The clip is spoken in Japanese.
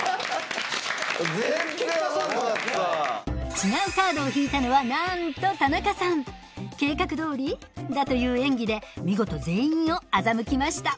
違うカードを引いたのはなんと田中さん計画通り？だという演技で見事全員を欺きました